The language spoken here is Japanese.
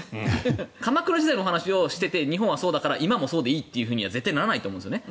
鎌倉時代の話をしてて日本はそうだから今もそうでいいとは絶対ならないと思うんですよね。